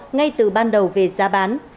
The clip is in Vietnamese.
ngay từ ban đầu về giá bán